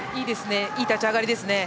いい立ち上がりですね。